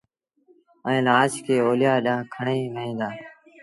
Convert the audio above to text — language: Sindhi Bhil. ائيٚݩ لآش کي اوليآ ڏآݩهݩ کڻي وهيݩ دآ